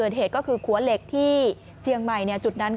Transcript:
ทีนี้มาดูเรื่องของอาการคนที่บาดเจ็บนายภูกันหน่อยนะคะ